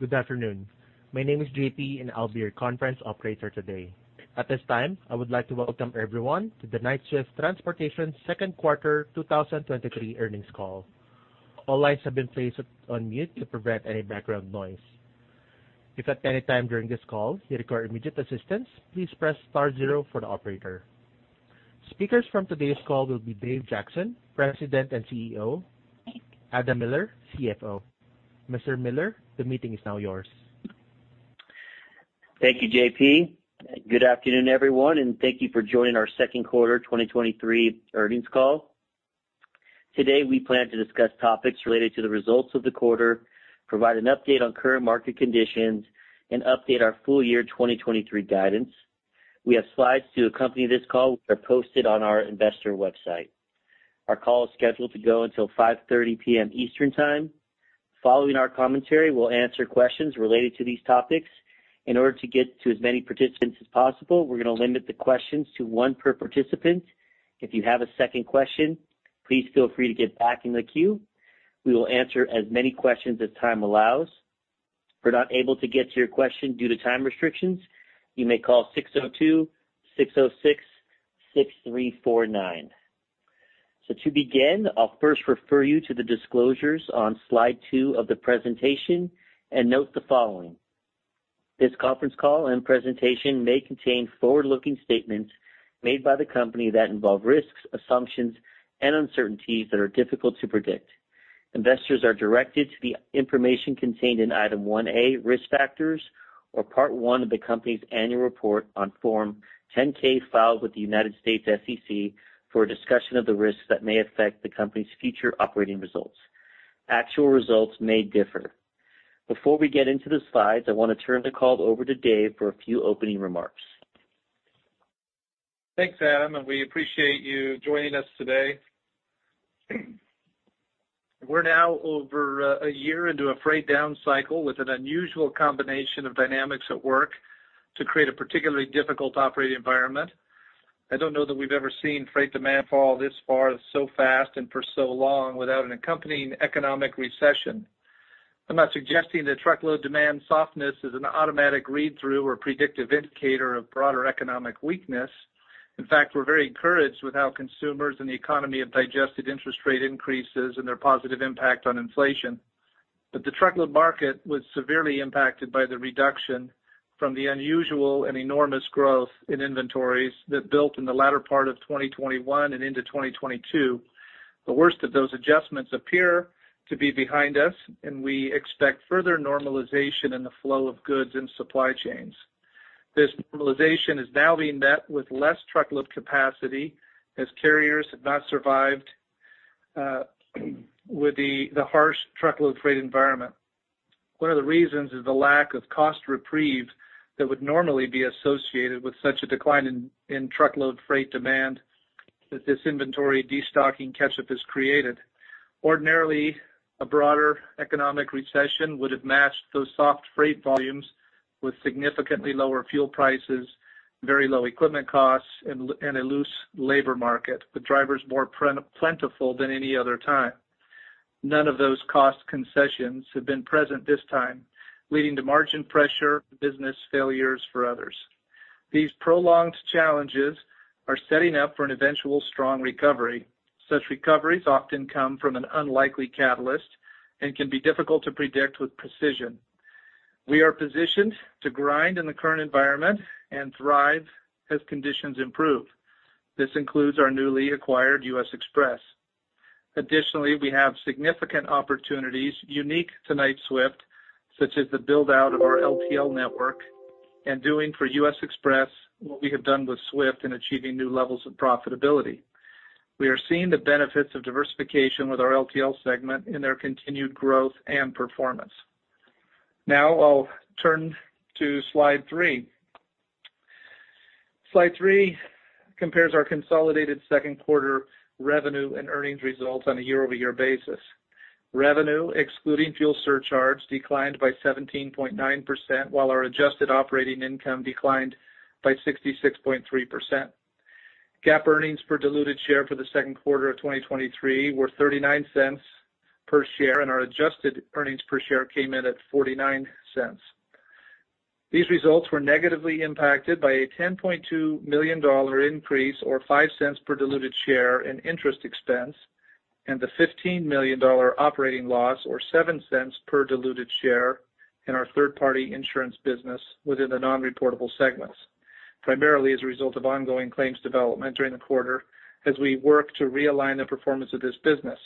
Good afternoon. My name is JP. I'll be your conference operator today. At this time, I would like to welcome everyone to the Knight-Swift Transportation 2Q 2023 Earnings Call. All lines have been placed on mute to prevent any background noise. If at any time during this call you require immediate assistance, please press star zero for the operator. Speakers from today's call will be Dave Jackson, President and CEO, Adam Miller, CFO. Mr. Miller, the meeting is now yours. Thank you, JP. Good afternoon, everyone, and thank you for joining our second quarter 2023 earnings call. Today, we plan to discuss topics related to the results of the quarter, provide an update on current market conditions, and update our full year 2023 guidance. We have slides to accompany this call, which are posted on our investor website. Our call is scheduled to go until 5:30 P.M. Eastern Time. Following our commentary, we'll answer questions related to these topics. In order to get to as many participants as possible, we're going to limit the questions to 1 per participant. If you have a second question, please feel free to get back in the queue. We will answer as many questions as time allows. If we're not able to get to your question due to time restrictions, you may call 602-606-6349. To begin, I'll first refer you to the disclosures on slide two of the presentation and note the following. This conference call and presentation may contain forward-looking statements made by the company that involve risks, assumptions, and uncertainties that are difficult to predict. Investors are directed to the information contained in Item 1A, Risk Factors, or Part 1 of the company's Annual Report on Form 10-K, filed with the U.S. SEC for a discussion of the risks that may affect the company's future operating results. Actual results may differ. Before we get into the slides, I want to turn the call over to Dave for a few opening remarks. Thanks, Adam, and we appreciate you joining us today. We're now over a year into a freight down cycle with an unusual combination of dynamics at work to create a particularly difficult operating environment. I don't know that we've ever seen freight demand fall this far, so fast and for so long without an accompanying economic recession. I'm not suggesting that truckload demand softness is an automatic read-through or predictive indicator of broader economic weakness. In fact, we're very encouraged with how consumers and the economy have digested interest rate increases and their positive impact on inflation. The truckload market was severely impacted by the reduction from the unusual and enormous growth in inventories that built in the latter part of 2021 and into 2022. The worst of those adjustments appear to be behind us, and we expect further normalization in the flow of goods and supply chains. This normalization is now being met with less truckload capacity as carriers have not survived with the harsh truckload freight environment. One of the reasons is the lack of cost reprieve that would normally be associated with such a decline in truckload freight demand that this inventory destocking catch-up has created. Ordinarily, a broader economic recession would have matched those soft freight volumes with significantly lower fuel prices, very low equipment costs and a loose labor market, with drivers more plentiful than any other time. None of those cost concessions have been present this time, leading to margin pressure, business failures for others. These prolonged challenges are setting up for an eventual strong recovery. Such recoveries often come from an unlikely catalyst and can be difficult to predict with precision. We are positioned to grind in the current environment and thrive as conditions improve. This includes our newly acquired U.S. Xpress. Additionally, we have significant opportunities unique to Knight-Swift, such as the build-out of our LTL network and doing for U.S. Xpress what we have done with Swift in achieving new levels of profitability. We are seeing the benefits of diversification with our LTL segment in their continued growth and performance. Now, I'll turn to slide three. Slide three compares our consolidated second quarter revenue and earnings results on a year-over-year basis. Revenue, excluding fuel surcharges, declined by 17.9%, while our adjusted operating income declined by 66.3%. GAAP earnings per diluted share for the second quarter of 2023 were $0.39 per share, and our adjusted earnings per share came in at $0.49. These results were negatively impacted by a $10.2 million increase or $0.05 per diluted share in interest expense, and the $15 million operating loss, or $0.07 per diluted share in our third-party insurance business within the non-reportable segments, primarily as a result of ongoing claims development during the quarter as we work to realign the performance of this business.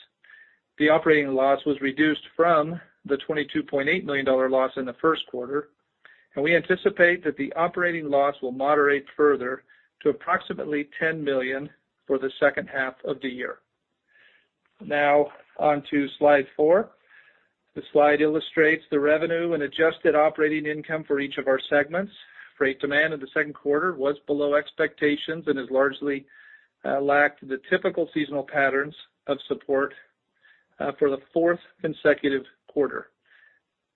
The operating loss was reduced from the $22.8 million loss in the first quarter, and we anticipate that the operating loss will moderate further to approximately $10 million for the second half of the year. Now on to slide 4. This slide illustrates the revenue and adjusted operating income for each of our segments. Freight demand in the second quarter was below expectations and has largely lacked the typical seasonal patterns of support for the fourth consecutive quarter.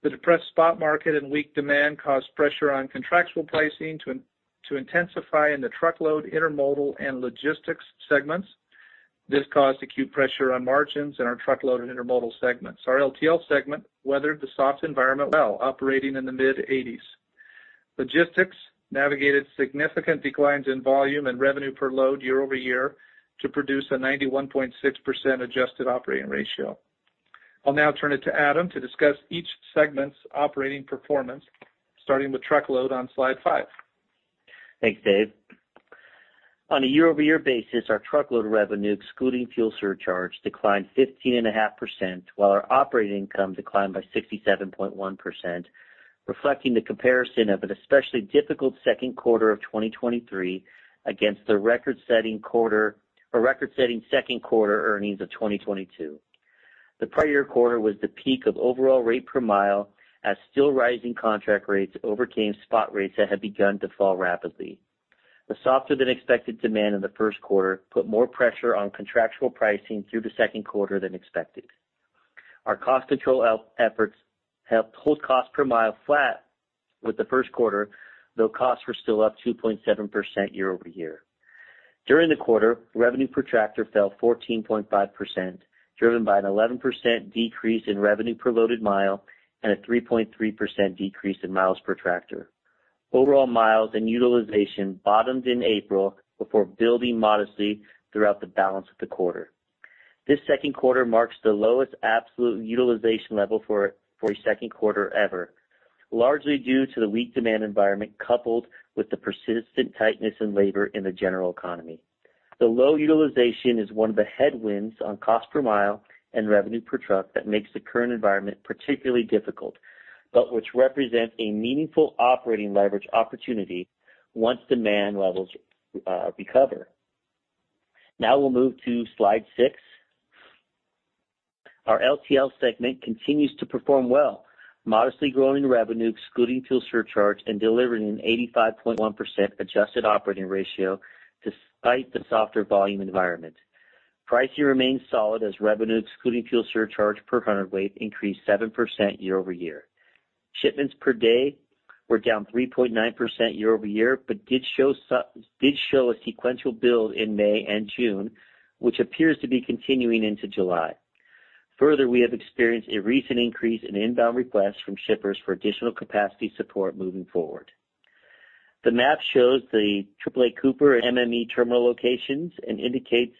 The depressed spot market and weak demand caused pressure on contractual pricing to intensify in the truckload, intermodal, and logistics segments. This caused acute pressure on margins in our truckload and intermodal segments. Our LTL segment weathered the soft environment well, operating in the mid-80s. Logistics navigated significant declines in volume and revenue per load year-over-year to produce a 91.6% adjusted operating ratio. I'll now turn it to Adam to discuss each segment's operating performance, starting with truckload on Slide five. Thanks, Dave. On a year-over-year basis, our truckload revenue, excluding fuel surcharge, declined 15.5%, while our operating income declined by 67.1%, reflecting the comparison of an especially difficult second quarter of 2023 against the record-setting quarter, or record-setting second quarter earnings of 2022. The prior year quarter was the peak of overall rate per mile, as still rising contract rates overcame spot rates that had begun to fall rapidly. The softer-than-expected demand in the first quarter put more pressure on contractual pricing through the second quarter than expected. Our cost control efforts helped hold cost per mile flat with the first quarter, though costs were still up 2.7% year-over-year. During the quarter, revenue per tractor fell 14.5%, driven by an 11% decrease in revenue per loaded mile and a 3.3% decrease in miles per tractor. Overall miles and utilization bottomed in April before building modestly throughout the balance of the quarter. This second quarter marks the lowest absolute utilization level for a second quarter ever, largely due to the weak demand environment, coupled with the persistent tightness in labor in the general economy. The low utilization is one of the headwinds on cost per mile and revenue per truck that makes the current environment particularly difficult, but which represents a meaningful operating leverage opportunity once demand levels recover. We'll move to Slide six. Our LTL segment continues to perform well, modestly growing revenue excluding fuel surcharge and delivering an 85.1% adjusted operating ratio despite the softer volume environment. Pricing remains solid as revenue, excluding fuel surcharge per hundredweight, increased 7% year-over-year. Shipments per day were down 3.9% year-over-year, but did show a sequential build in May and June, which appears to be continuing into July. We have experienced a recent increase in inbound requests from shippers for additional capacity support moving forward. The map shows the AAA Cooper and MME terminal locations and indicates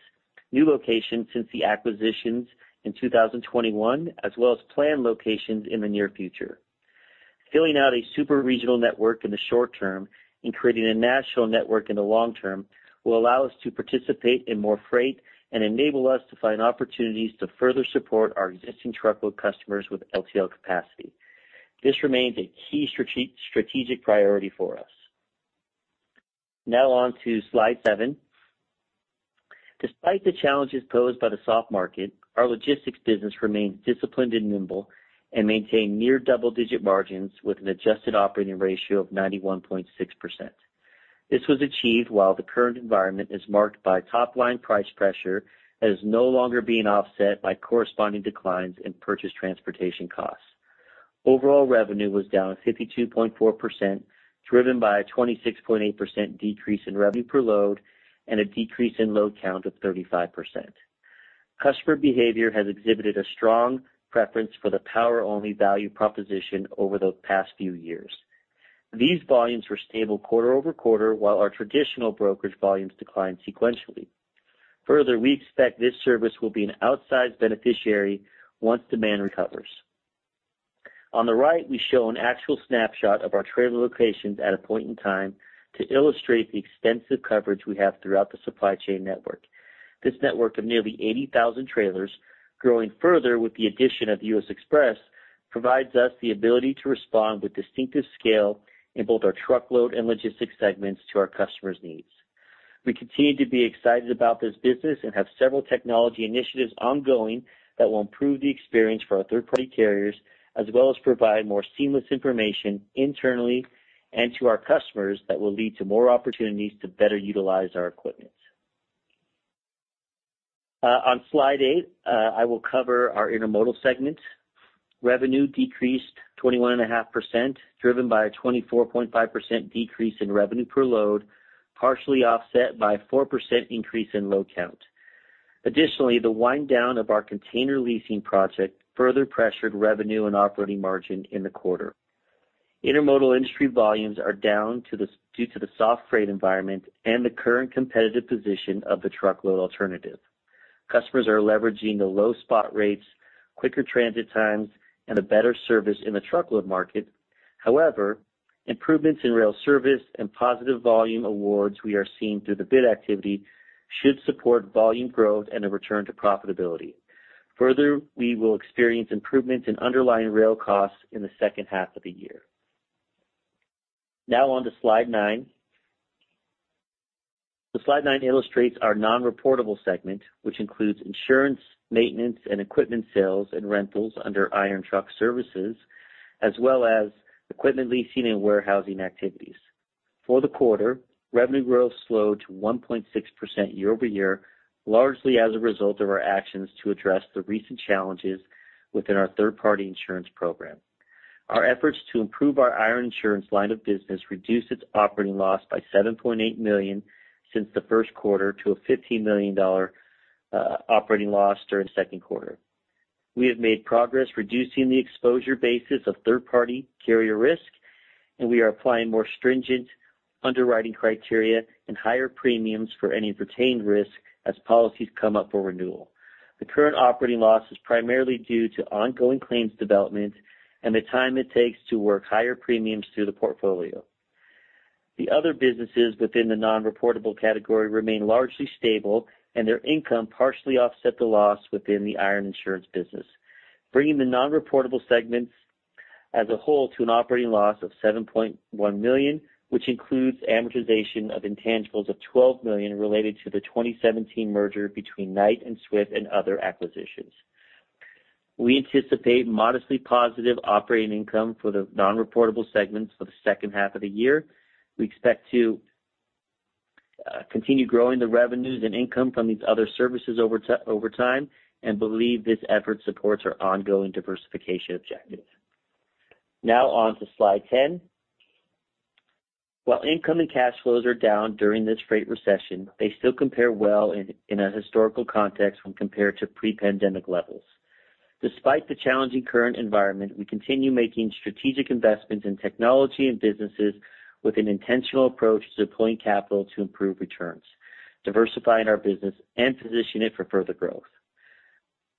new locations since the acquisitions in 2021, as well as planned locations in the near future. Filling out a super regional network in the short term and creating a national network in the long term will allow us to participate in more freight and enable us to find opportunities to further support our existing truckload customers with LTL capacity. This remains a key strategic priority for us. On to Slide seven. Despite the challenges posed by the soft market, our logistics business remains disciplined and nimble and maintained near double-digit margins with an adjusted operating ratio of 91.6%. This was achieved while the current environment is marked by top-line price pressure that is no longer being offset by corresponding declines in purchase transportation costs. Overall revenue was down 52.4%, driven by a 26.8% decrease in revenue per load and a decrease in load count of 35%. Customer behavior has exhibited a strong preference for the power-only value proposition over the past few years. These volumes were stable quarter-over-quarter, while our traditional brokerage volumes declined sequentially. Further, we expect this service will be an outsized beneficiary once demand recovers. On the right, we show an actual snapshot of our trailer locations at a point in time to illustrate the extensive coverage we have throughout the supply chain network. This network of nearly 80,000 trailers, growing further with the addition of U.S. Xpress, provides us the ability to respond with distinctive scale in both our truckload and logistics segments to our customers' needs. We continue to be excited about this business and have several technology initiatives ongoing that will improve the experience for our third-party carriers, as well as provide more seamless information internally and to our customers that will lead to more opportunities to better utilize our equipment. On Slide eight, I will cover our intermodal segment. Revenue decreased 21.5%, driven by a 24.5% decrease in revenue per load, partially offset by a 4% increase in load count. Additionally, the wind down of our container leasing project further pressured revenue and operating margin in the quarter. Intermodal industry volumes are down due to the soft freight environment and the current competitive position of the truckload alternative. Customers are leveraging the low spot rates, quicker transit times, and a better service in the truckload market. However, improvements in rail service and positive volume awards we are seeing through the bid activity should support volume growth and a return to profitability. Further, we will experience improvements in underlying rail costs in the second half of the year. Now on to Slide nine. Slide nine illustrates our non-reportable segment, which includes insurance, maintenance, and equipment sales and rentals under Iron Truck Services, as well as equipment leasing and warehousing activities. For the quarter, revenue growth slowed to 1.6% year-over-year, largely as a result of our actions to address the recent challenges within our third-party insurance program. Our efforts to improve our Iron Insurance line of business reduced its operating loss by $7.8 million since the first quarter to a $15 million operating loss during the second quarter. We have made progress reducing the exposure basis of third-party carrier risk. We are applying more stringent underwriting criteria and higher premiums for any retained risk as policies come up for renewal. The current operating loss is primarily due to ongoing claims development and the time it takes to work higher premiums through the portfolio. The other businesses within the non-reportable category remain largely stable. Their income partially offset the loss within the Iron Insurance business, bringing the non-reportable segments as a whole to an operating loss of $7.1 million, which includes amortization of intangibles of $12 million related to the 2017 merger between Knight and Swift and other acquisitions. We anticipate modestly positive operating income for the non-reportable segments for the second half of the year. We expect to continue growing the revenues and income from these other services over time, and believe this effort supports our ongoing diversification objective. Now on to Slide 10. While incoming cash flows are down during this freight recession, they still compare well in a historical context when compared to pre-pandemic levels. Despite the challenging current environment, we continue making strategic investments in technology and businesses with an intentional approach to deploying capital to improve returns, diversifying our business, and position it for further growth.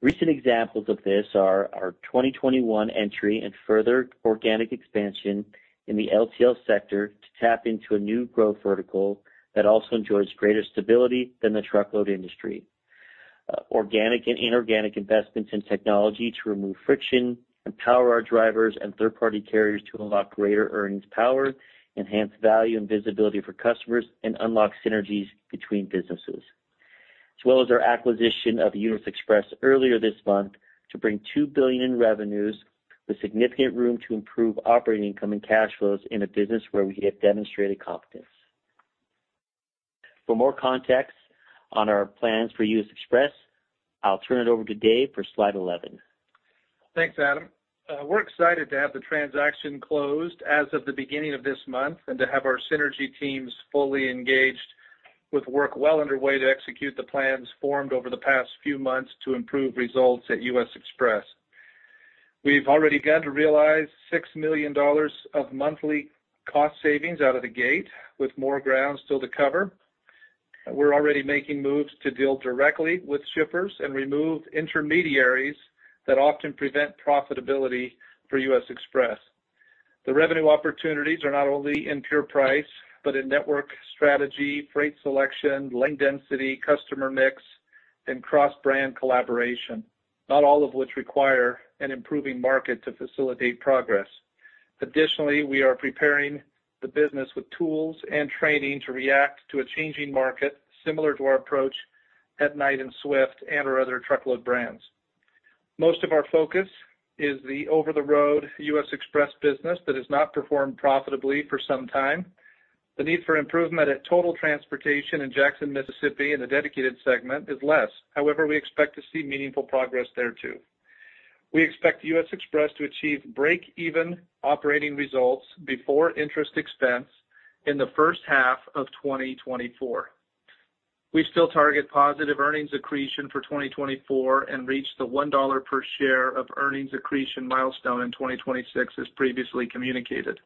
Recent examples of this are our 2021 entry and further organic expansion in the LTL sector to tap into a new growth vertical that also enjoys greater stability than the truckload industry. Organic and inorganic investments in technology to remove friction, empower our drivers and third-party carriers to unlock greater earnings power, enhance value and visibility for customers, and unlock synergies between businesses, as well as our acquisition of U.S. Xpress earlier this month to bring $2 billion in revenues with significant room to improve operating income and cash flows in a business where we have demonstrated competence. For more context on our plans for U.S. Xpress, I'll turn it over to Dave for Slide 11. Thanks, Adam. We're excited to have the transaction closed as of the beginning of this month and to have our synergy teams fully engaged with work well underway to execute the plans formed over the past few months to improve results at U.S. Xpress. We've already begun to realize $6 million of monthly cost savings out of the gate, with more ground still to cover. We're already making moves to deal directly with shippers and remove intermediaries that often prevent profitability for U.S. Xpress. The revenue opportunities are not only in pure price, but in network strategy, freight selection, lane density, customer mix, and cross-brand collaboration, not all of which require an improving market to facilitate progress. Additionally, we are preparing the business with tools and training to react to a changing market, similar to our approach at Knight and Swift and our other truckload brands. Most of our focus is the over-the-road U.S. Xpress business that has not performed profitably for some time. The need for improvement at Total Transportation of Mississippi in Jackson, Mississippi, in the dedicated segment is less. However, we expect to see meaningful progress there, too. We expect U.S. Xpress to achieve break-even operating results before interest expense in the first half of 2024. We still target positive earnings accretion for 2024 and reach the $1 per share of earnings accretion milestone in 2026, as previously communicated.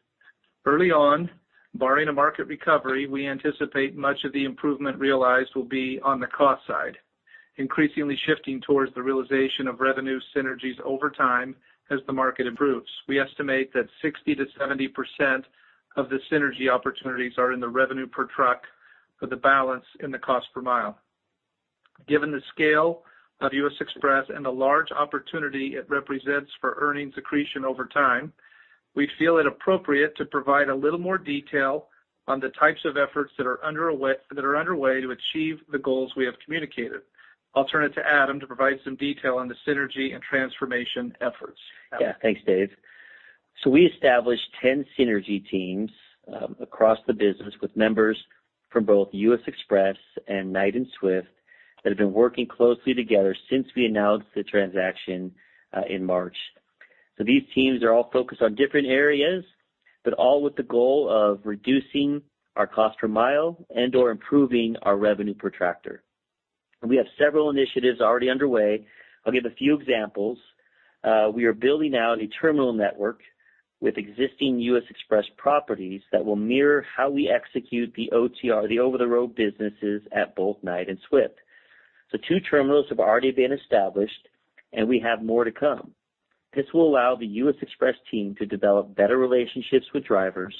Early on, barring a market recovery, we anticipate much of the improvement realized will be on the cost side, increasingly shifting towards the realization of revenue synergies over time as the market improves. We estimate that 60%-70% of the synergy opportunities are in the revenue per truck, with the balance in the cost per mile. Given the scale of U.S. Xpress and the large opportunity it represents for earnings accretion over time, we feel it appropriate to provide a little more detail on the types of efforts that are underway to achieve the goals we have communicated. I'll turn it to Adam to provide some detail on the synergy and transformation efforts. Adam? Yeah. Thanks, Dave. We established 10 synergy teams across the business, with members from both U.S. Xpress and Knight and Swift, that have been working closely together since we announced the transaction in March. These teams are all focused on different areas, but all with the goal of reducing our cost per mile and/or improving our revenue per tractor. We have several initiatives already underway. I'll give a few examples. We are building out a terminal network with existing U.S. Xpress properties that will mirror how we execute the OTR, the over-the-road, businesses at both Knight and Swift. Two terminals have already been established, and we have more to come. This will allow the U.S. Xpress team to develop better relationships with drivers,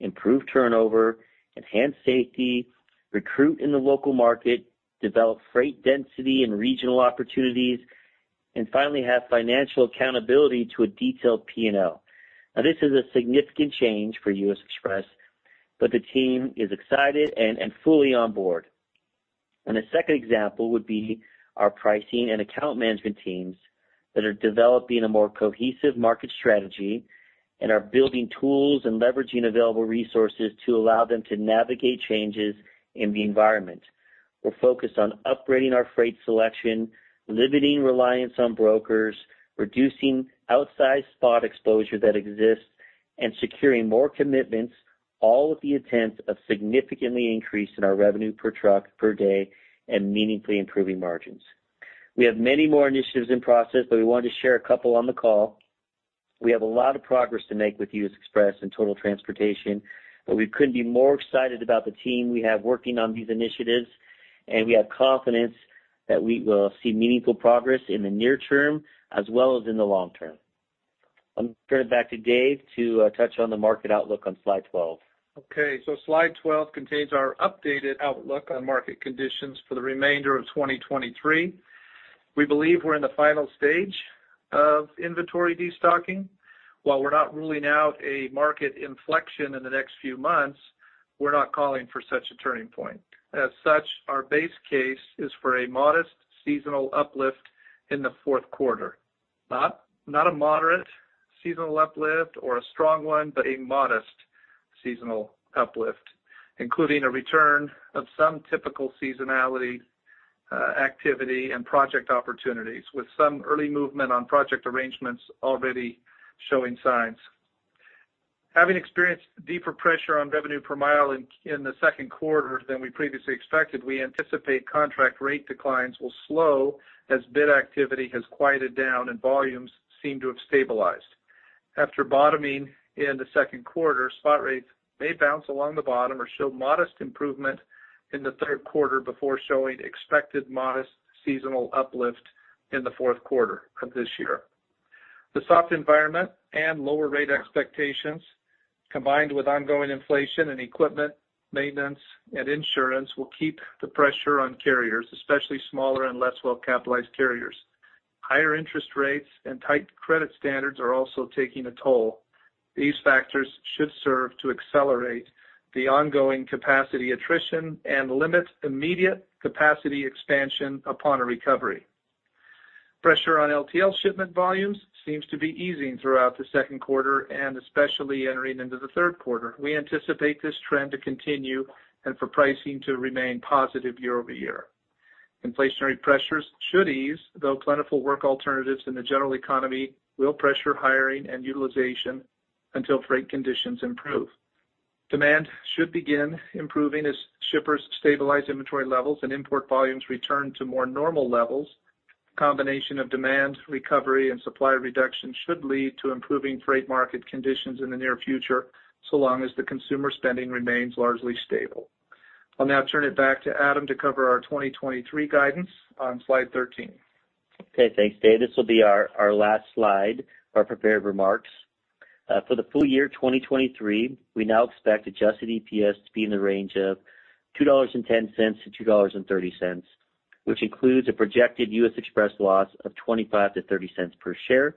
improve turnover, enhance safety, recruit in the local market, develop freight density and regional opportunities, and finally, have financial accountability to a detailed PNL. Now, this is a significant change for U.S. Xpress, but the team is excited and fully on board. A second example would be our pricing and account management teams that are developing a more cohesive market strategy and are building tools and leveraging available resources to allow them to navigate changes in the environment. We're focused on upgrading our freight selection, limiting reliance on brokers, reducing outsized spot exposure that exists, and securing more commitments, all with the intent of significantly increasing our revenue per truck per day and meaningfully improving margins. We have many more initiatives in process, but we wanted to share a couple on the call. We have a lot of progress to make with U.S. Xpress and Total Transportation, but we couldn't be more excited about the team we have working on these initiatives, and we have confidence that we will see meaningful progress in the near term as well as in the long term. I'm going to turn it back to Dave to touch on the market outlook on slide 12. Slide 12 contains our updated outlook on market conditions for the remainder of 2023. We believe we're in the final stage of inventory destocking. While we're not ruling out a market inflection in the next few months, we're not calling for such a turning point. Our base case is for a modest seasonal uplift in the fourth quarter. Not a moderate seasonal uplift or a strong one, but a modest seasonal uplift, including a return of some typical seasonality, activity and project opportunities, with some early movement on project arrangements already showing signs. Having experienced deeper pressure on revenue per mile in the second quarter than we previously expected, we anticipate contract rate declines will slow as bid activity has quieted down and volumes seem to have stabilized. After bottoming in the second quarter, spot rates may bounce along the bottom or show modest improvement in the third quarter before showing expected modest seasonal uplift in the fourth quarter of this year. The soft environment and lower rate expectations, combined with ongoing inflation in equipment, maintenance, and insurance, will keep the pressure on carriers, especially smaller and less well-capitalized carriers. Higher interest rates and tight credit standards are also taking a toll. These factors should serve to accelerate the ongoing capacity attrition and limit immediate capacity expansion upon a recovery. Pressure on LTL shipment volumes seems to be easing throughout the second quarter and especially entering into the third quarter. We anticipate this trend to continue and for pricing to remain positive year-over-year. Inflationary pressures should ease, though plentiful work alternatives in the general economy will pressure hiring and utilization until freight conditions improve. Demand should begin improving as shippers stabilize inventory levels and import volumes return to more normal levels. Combination of demand recovery and supply reduction should lead to improving freight market conditions in the near future, so long as the consumer spending remains largely stable. I'll now turn it back to Adam to cover our 2023 guidance on Slide 13. Okay, thanks, Dave. This will be our last slide for our prepared remarks. For the full year 2023, we now expect adjusted EPS to be in the range of $2.10-$2.30, which includes a projected U.S. Xpress loss of $0.25-$0.30 per share,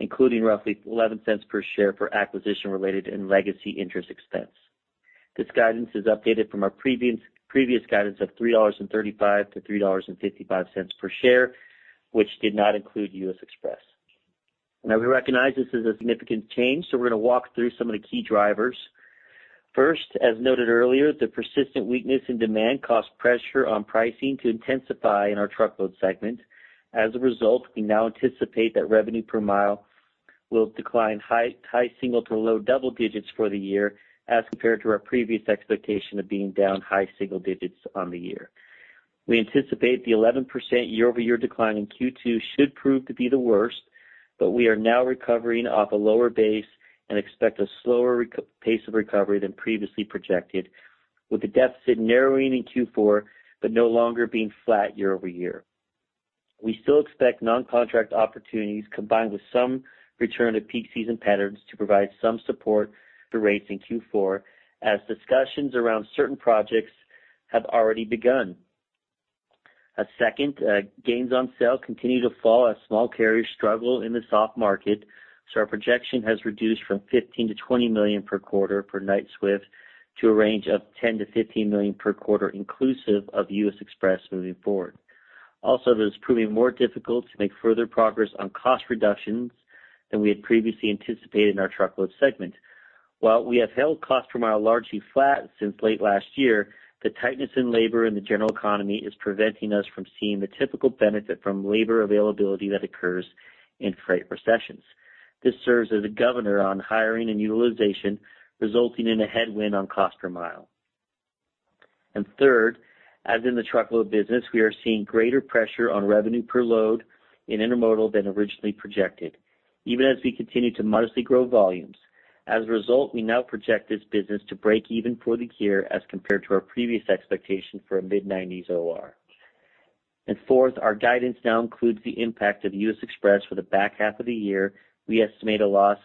including roughly $0.11 per share for acquisition-related and legacy interest expense. This guidance is updated from our previous guidance of $3.35-$3.55 per share, which did not include U.S. Xpress. We recognize this is a significant change, so we're going to walk through some of the key drivers. First, as noted earlier, the persistent weakness in demand caused pressure on pricing to intensify in our truckload segment. We now anticipate that revenue per mile will decline high single to low double digits for the year as compared to our previous expectation of being down high single digits on the year. We anticipate the 11% year-over-year decline in Q2 should prove to be the worst. We are now recovering off a lower base and expect a slower pace of recovery than previously projected, with the deficit narrowing in Q4. No longer being flat year-over-year. We still expect non-contract opportunities, combined with some return to peak season patterns, to provide some support for rates in Q4, as discussions around certain projects have already begun. Second, gains on sale continue to fall as small carriers struggle in the soft market. Our projection has reduced from $15 million-$20 million per quarter per Knight-Swift to a range of $10 million-$15 million per quarter, inclusive of U.S. Xpress moving forward. It is proving more difficult to make further progress on cost reductions than we had previously anticipated in our truckload segment. While we have held cost per mile largely flat since late last year, the tightness in labor in the general economy is preventing us from seeing the typical benefit from labor availability that occurs in freight recessions. This serves as a governor on hiring and utilization, resulting in a headwind on cost per mile. Third, as in the truckload business, we are seeing greater pressure on revenue per load in intermodal than originally projected, even as we continue to modestly grow volumes. As a result, we now project this business to break even for the year as compared to our previous expectation for a mid-90s OR. Fourth, our guidance now includes the impact of U.S. Xpress for the back half of the year. We estimate a loss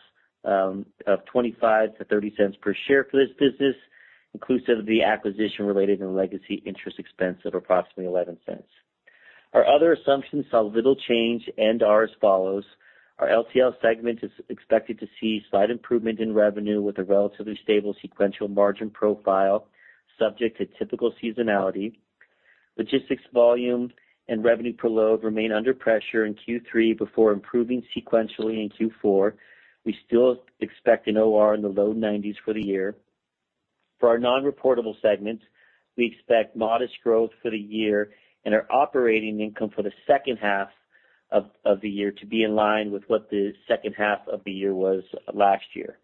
of $0.25-$0.30 per share for this business, inclusive of the acquisition-related and legacy interest expense of approximately $0.11. Our other assumptions saw little change and are as follows: Our LTL segment is expected to see slight improvement in revenue with a relatively stable sequential margin profile, subject to typical seasonality. Logistics volume and revenue per load remain under pressure in Q3 before improving sequentially in Q4. We still expect an OR in the low nineties for the year. For our non-reportable segments, we expect modest growth for the year and our operating income for the second half of the year to be in line with what the second half of the year was last year.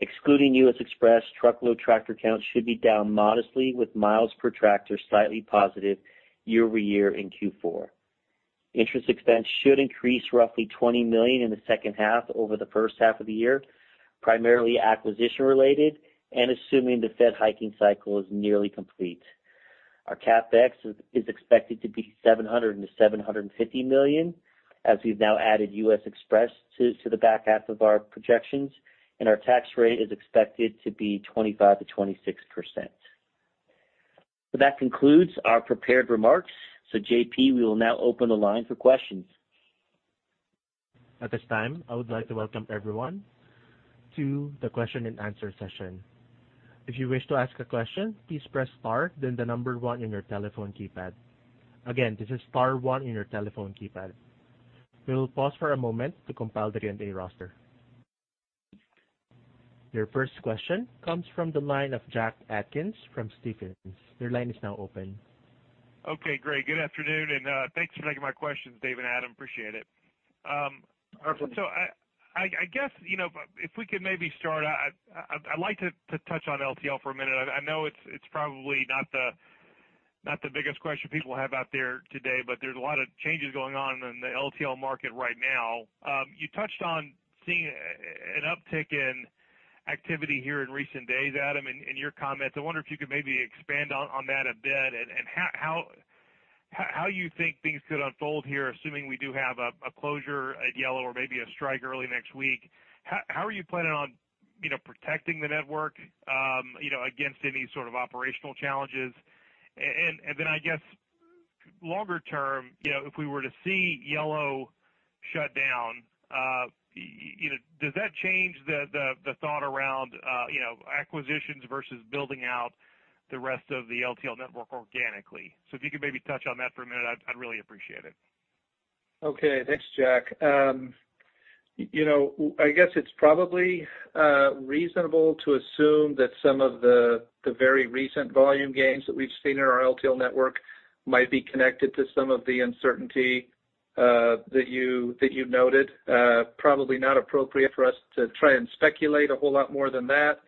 Excluding U.S. Xpress, truckload tractor counts should be down modestly, with miles per tractor slightly positive year-over-year in Q4. Interest expense should increase roughly $20 million in the second half over the first half of the year, primarily acquisition-related and assuming the Fed hiking cycle is nearly complete. Our CapEx is expected to be $700 million-$750 million, as we've now added U.S. Xpress to the back half of our projections, and our tax rate is expected to be 25%-26%. That concludes our prepared remarks. JP, we will now open the line for questions. At this time, I would like to welcome everyone to the question-and-answer session. If you wish to ask a question, please press star, then the number one in your telephone keypad. Again, this is star one in your telephone keypad. We will pause for a moment to compile the Q&A roster. Your first question comes from the line of Jack Atkins from Stephens. Your line is now open. Okay, great. Good afternoon, thanks for taking my questions, Dave and Adam. Appreciate it. Absolutely. I guess, you know, if we could maybe start, I'd like to touch on LTL for a minute. I know it's probably not the biggest question people have out there today, but there's a lot of changes going on in the LTL market right now. You touched on seeing an uptick in activity here in recent days, Adam, in your comments. I wonder if you could maybe expand on that a bit, and how you think things could unfold here, assuming we do have a closure at Yellow or maybe a strike early next week. How are you planning on, you know, protecting the network, you know, against any sort of operational challenges? I guess, longer term, you know, if we were to see Yellow shut down, you know, does that change the thought around, you know, acquisitions versus building out the rest of the LTL network organically? If you could maybe touch on that for a minute, I'd really appreciate it. Okay, thanks, Jack. You know, I guess it's probably reasonable to assume that some of the very recent volume gains that we've seen in our LTL network might be connected to some of the uncertainty that you noted. Probably not appropriate for us to try and speculate a whole lot more than that.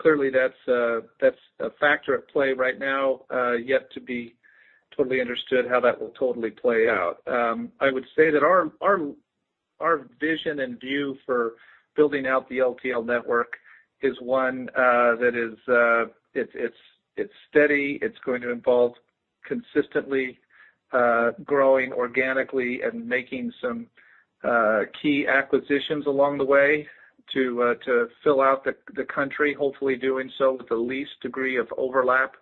Clearly that's a factor at play right now, yet to be totally understood how that will totally play out. I would say that our vision and view for building out the LTL network is one that is steady. It's going to involve consistently growing organically and making some key acquisitions along the way to fill out the country, hopefully doing so with the least degree of overlap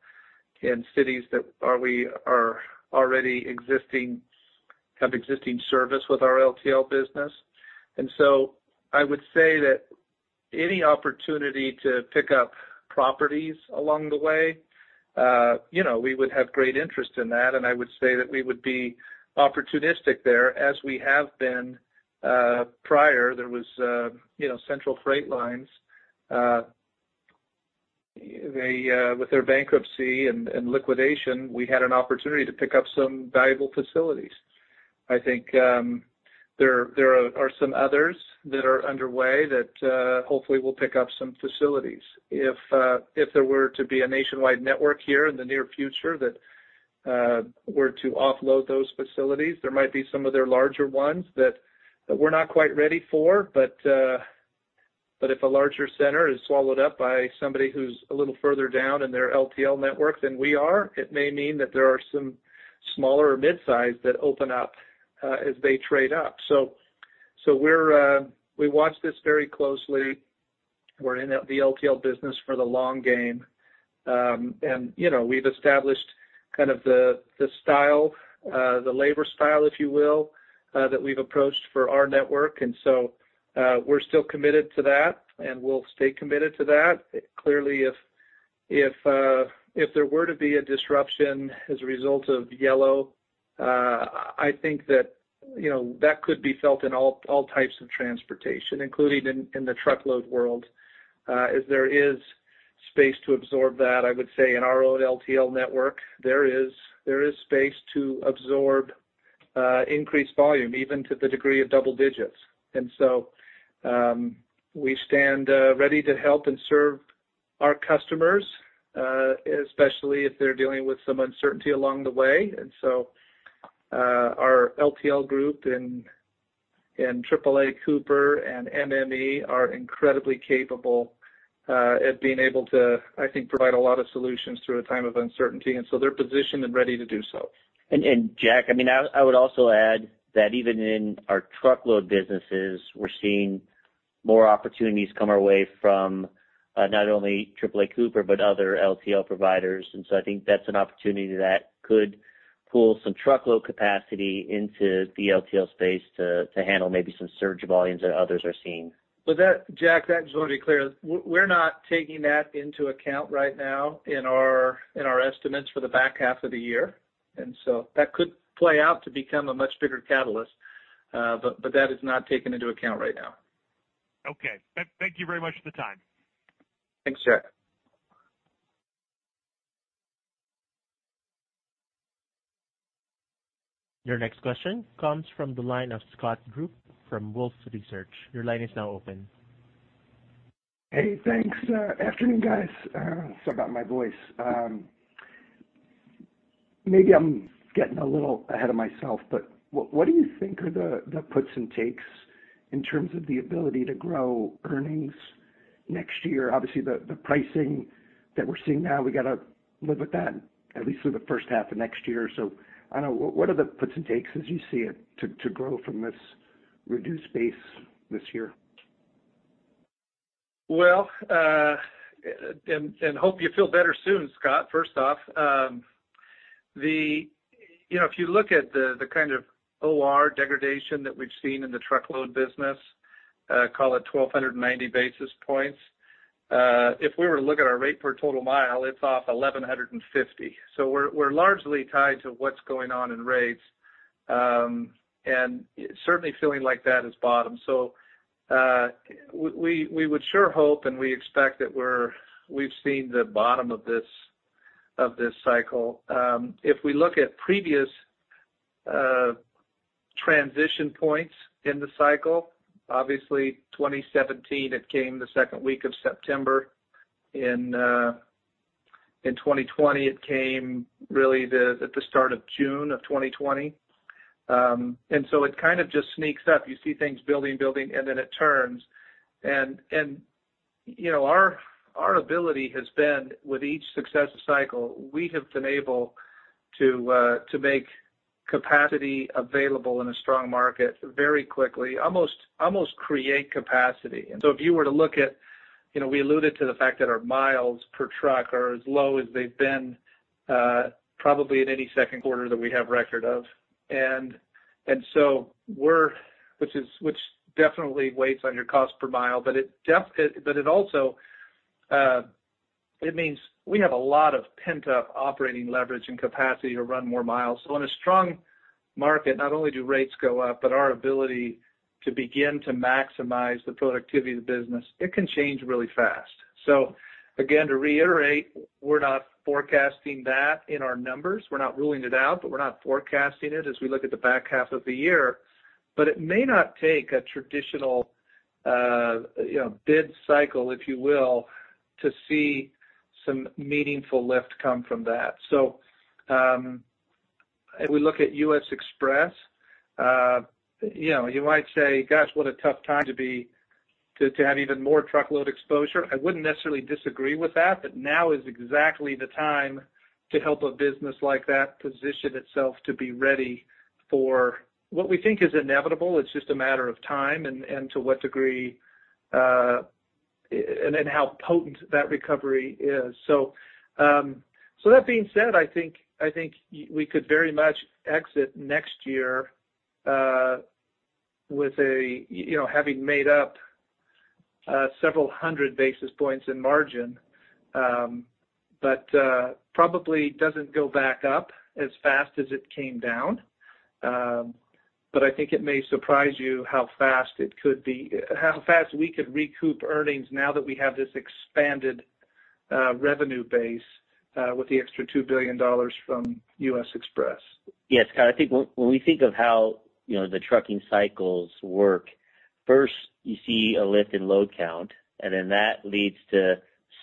in cities that we are already existing, have existing service with our LTL business. I would say that any opportunity to pick up properties along the way, you know, we would have great interest in that, and I would say that we would be opportunistic there as we have been prior. There was, you know, Central Freight Lines. With their bankruptcy and liquidation, we had an opportunity to pick up some valuable facilities. I think there are some others that are underway that hopefully will pick up some facilities. If there were to be a nationwide network here in the near future that were to offload those facilities, there might be some of their larger ones that we're not quite ready for. If a larger center is swallowed up by somebody who's a little further down in their LTL network than we are, it may mean that there are some smaller or mid-size that open up as they trade up. We watch this very closely. We're in the LTL business for the long game. You know, we've established kind of the style, the labor style, if you will, that we've approached for our network, we're still committed to that, and we'll stay committed to that. Clearly, if there were to be a disruption as a result of Yellow, I think that, you know, that could be felt in all types of transportation, including in the truckload world. As there is space to absorb that, I would say in our own LTL network, there is space to absorb increased volume, even to the degree of double digits. We stand ready to help and serve our customers, especially if they're dealing with some uncertainty along the way. Our LTL group and AAA Cooper and MME are incredibly capable at being able to, I think, provide a lot of solutions through a time of uncertainty, they're positioned and ready to do so. Jack, I mean, I would also add that even in our truckload businesses, we're seeing more opportunities come our way from not only AAA Cooper, but other LTL providers. So I think that's an opportunity that could pull some truckload capacity into the LTL space to handle maybe some surge volumes that others are seeing. That, Jack, just want to be clear, we're not taking that into account right now in our estimates for the back half of the year? That could play out to become a much bigger catalyst, but that is not taken into account right now. Okay. Thank you very much for the time. Thanks, Jack. Your next question comes from the line of Scott Group from Wolfe Research. Your line is now open. Hey, thanks. Afternoon, guys. Sorry about my voice. Maybe I'm getting a little ahead of myself, but what do you think are the puts and takes in terms of the ability to grow earnings next year? Obviously, the pricing that we're seeing now, we got to live with that at least through the first half of next year. I know, what are the puts and takes as you see it, to grow from this reduced base this year? Hope you feel better soon, Scott, first off. You know, if you look at the kind of OR degradation that we've seen in the truckload business, call it 1,290 basis points, if we were to look at our rate per total mile, it's off 1,150. We're largely tied to what's going on in rates, and certainly feeling like that has bottomed. We would sure hope, and we expect that we've seen the bottom of this cycle. If we look at previous transition points in the cycle, obviously 2017, it came the second week of September. In 2020, it came really at the start of June 2020. It kind of just sneaks up. You see things building, and then it turns. You know, our ability has been with each successive cycle, we have been able to make capacity available in a strong market very quickly, almost create capacity. If you were to look at, you know, we alluded to the fact that our miles per truck are as low as they've been, probably in any second quarter that we have record of. Which is definitely weighs on your cost per mile, but it also means we have a lot of pent-up operating leverage and capacity to run more miles. In a strong market, not only do rates go up, but our ability to begin to maximize the productivity of the business, it can change really fast. Again, to reiterate, we're not forecasting that in our numbers. We're not ruling it out, but we're not forecasting it as we look at the back half of the year. It may not take a traditional, you know, bid cycle, if you will, to see some meaningful lift come from that. If we look at U.S. Xpress, you know, you might say, gosh, what a tough time to have even more truckload exposure. I wouldn't necessarily disagree with that, but now is exactly the time to help a business like that position itself to be ready for what we think is inevitable. It's just a matter of time, and to what degree, and then how potent that recovery is. That being said, I think, I think we could very much exit next year, with a, you know, having made up, several hundred basis points in margin, but probably doesn't go back up as fast as it came down. I think it may surprise you how fast it could be, how fast we could recoup earnings now that we have this expanded revenue base, with the extra $2 billion from U.S. Xpress. Yes, Scott, I think when we think of how, you know, the trucking cycles work, first you see a lift in load count, and then that leads to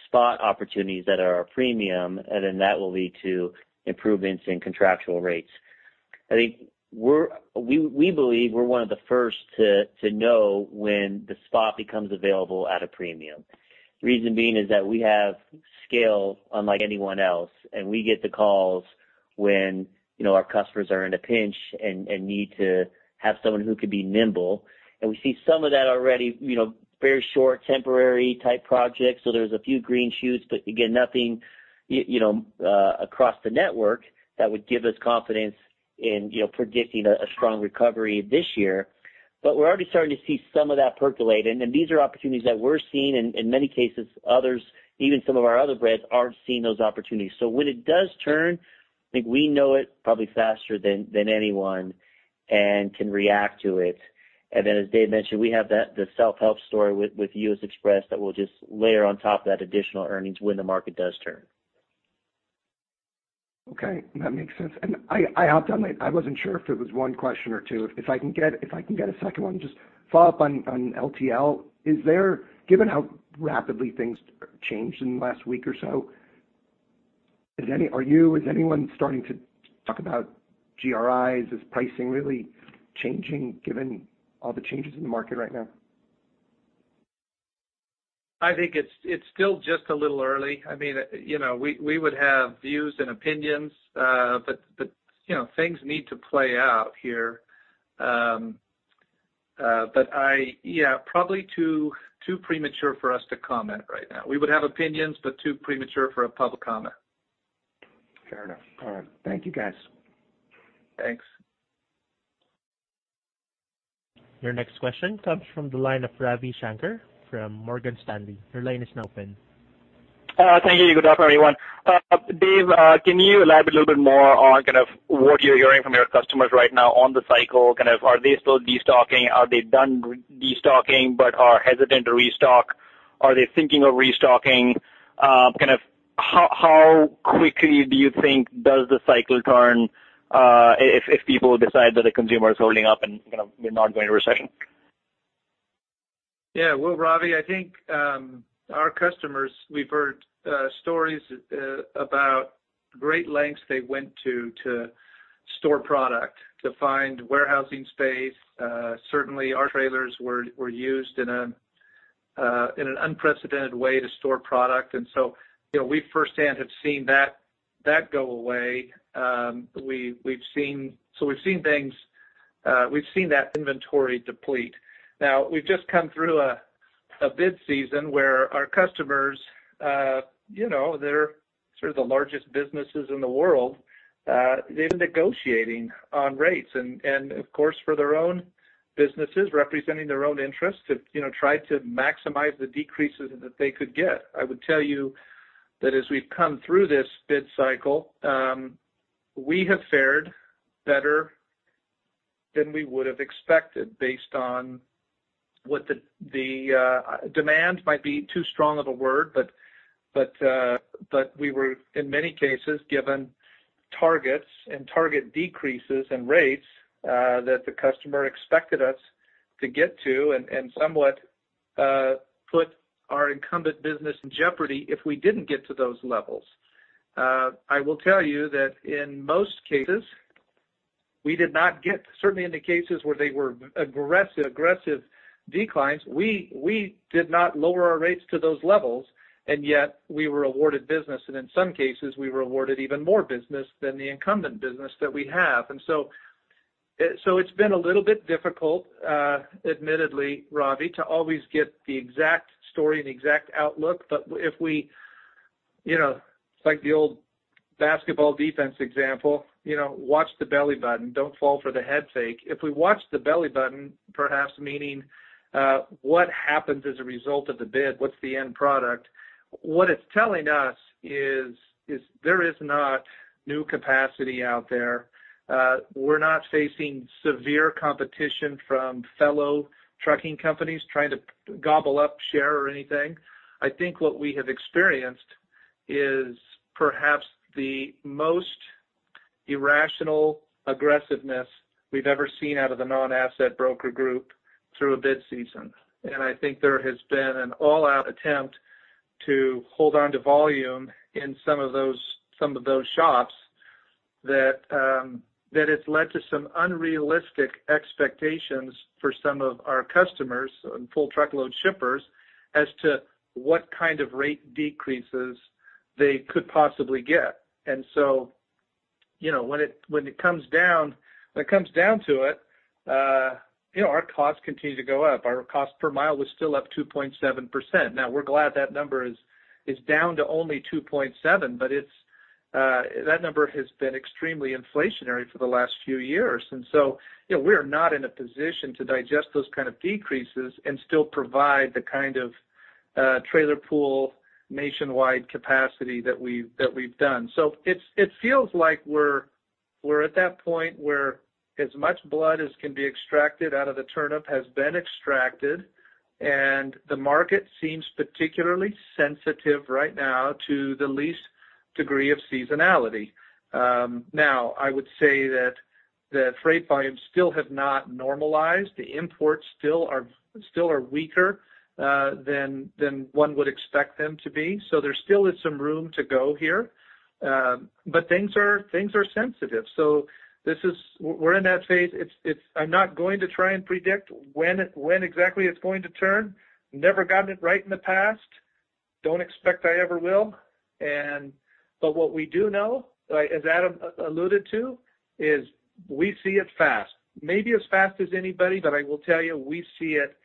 spot opportunities that are a premium, and then that will lead to improvements in contractual rates. I think we believe we're one of the first to know when the spot becomes available at a premium. The reason being is that we have scale unlike anyone else, and we get the calls when, you know, our customers are in a pinch and need to have someone who can be nimble. We see some of that already, you know, very short, temporary type projects. There's a few green shoots, but again, nothing, you know, across the network that would give us confidence in, you know, predicting a strong recovery this year. We're already starting to see some of that percolate, and then these are opportunities that we're seeing, and, in many cases, others, even some of our other brands, aren't seeing those opportunities. When it does turn, I think we know it probably faster than anyone and can react to it. Then, as Dave mentioned, we have that, the self-help story with U.S. Xpress that will just layer on top of that additional earnings when the market does turn. Okay, that makes sense. I hopped on that. I wasn't sure if it was one question or two. If I can get a second one, just follow up on LTL. Is there, given how rapidly things changed in the last week or so, is anyone starting to talk about GRIs? Is pricing really changing given all the changes in the market right now? I think it's still just a little early. I mean, you know, we would have views and opinions, but, you know, things need to play out here. Yeah, probably too premature for us to comment right now. We would have opinions, but too premature for a public comment. Fair enough. All right. Thank you, guys. Thanks. Your next question comes from the line of Ravi Shanker from Morgan Stanley. Your line is now open. Thank you. Good afternoon, everyone. Dave, can you elaborate a little bit more on kind of what you're hearing from your customers right now on the cycle? Kind of, are they still destocking? Are they done destocking but are hesitant to restock? Are they thinking of restocking? Kind of how quickly do you think does the cycle turn, if people decide that the consumer is holding up and, you know, we're not going to recession? Yeah. Well, Ravi, I think our customers, we've heard stories about great lengths they went to store product, to find warehousing space. Certainly, our trailers were used in an unprecedented way to store product. You know, we firsthand have seen that go away. We've seen things, we've seen that inventory deplete. We've just come through a bid season where our customers, you know, they're sort of the largest businesses in the world, they're negotiating on rates and of course, for their own businesses, representing their own interests, to, you know, try to maximize the decreases that they could get. I would tell you that as we've come through this bid cycle, we have fared better than we would've expected, based on what the demand might be too strong of a word, but we were, in many cases, given targets and target decreases in rates that the customer expected us to get to, and somewhat put our incumbent business in jeopardy if we didn't get to those levels. I will tell you that in most cases, we did not get, certainly in the cases where they were aggressive declines, we did not lower our rates to those levels, and yet we were awarded business, and in some cases, we were awarded even more business than the incumbent business that we have. So it's been a little bit difficult, admittedly, Ravi, to always get the exact story and exact outlook. You know, it's like the old basketball defense example, you know, watch the belly button, don't fall for the head fake. If we watch the belly button, perhaps meaning, what happens as a result of the bid, what's the end product? What it's telling us is there is not new capacity out there. We're not facing severe competition from fellow trucking companies trying to gobble up, share or anything. I think what we have experienced is perhaps the most irrational aggressiveness we've ever seen out of the non-asset broker group through a bid season. I think there has been an all-out attempt to hold on to volume in some of those shops, that it's led to some unrealistic expectations for some of our customers and full truckload shippers as to what kind of rate decreases they could possibly get. You know, when it comes down to it, you know, our costs continue to go up. Our cost per mile was still up 2.7%. Now, we're glad that number is down to only 2.7%, but it's that number has been extremely inflationary for the last few years. You know, we're not in a position to digest those kind of decreases and still provide the kind of trailer pool nationwide capacity that we've done. It feels like we're at that point where as much blood as can be extracted out of the turnip has been extracted, and the market seems particularly sensitive right now to the least degree of seasonality. Now, I would say that the freight volumes still have not normalized. The imports still are weaker than one would expect them to be. There still is some room to go here. But things are sensitive. This is. We're in that phase. I'm not going to try and predict when exactly it's going to turn. Never gotten it right in the past. Don't expect I ever will. What we do know, as Adam alluded to, is we see it fast. Maybe as fast as anybody, but I will tell you, we see it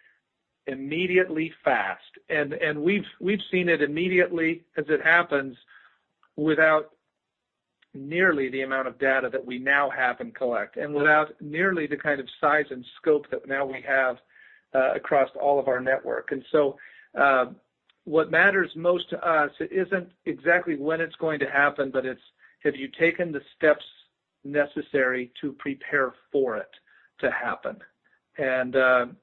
immediately fast. We've seen it immediately as it happens, without nearly the amount of data that we now have and collect, and without nearly the kind of size and scope that now we have across all of our network. What matters most to us isn't exactly when it's going to happen, but it's have you taken the steps necessary to prepare for it to happen? An